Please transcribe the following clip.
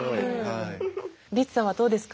リツさんはどうですか？